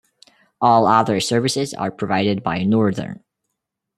All other services are provided by Northern.